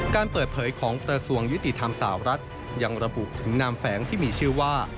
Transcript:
การเปิดเผยของกระทรวงยุติธรรมสาวรัฐยังระบุถึงนามแฝงที่มีชื่อว่า